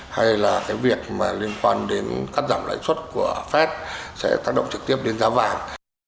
hay là cái việc mà liên quan đến cắt giảm lãnh xuất của pháp sẽ tác động trực tiếp đến giá vàng